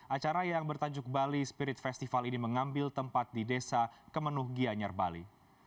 acara yang bertajuk bali spirit festival ini mengambil tempat di desa kemenuh gianyar bali